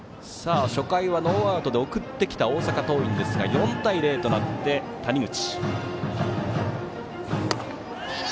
初回はノーアウトで送ってきた大阪桐蔭ですが４対０となって谷口。